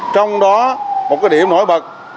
trong đó một cái điểm nổi bật